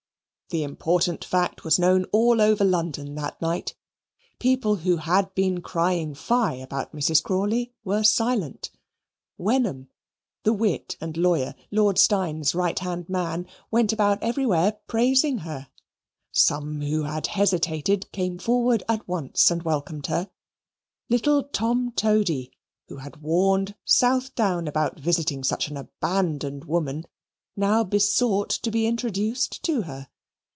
The important fact was known all over London that night. People who had been crying fie about Mrs. Crawley were silent. Wenham, the wit and lawyer, Lord Steyne's right hand man, went about everywhere praising her: some who had hesitated, came forward at once and welcomed her; little Tom Toady, who had warned Southdown about visiting such an abandoned woman, now besought to be introduced to her.